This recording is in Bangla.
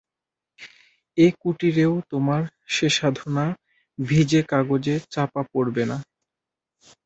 এ কুটিরেও তোমার সে সাধনা ভিজে কাগজে চাপা পড়বে না।